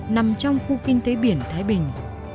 nằm trong khu kinh tế biển thái bình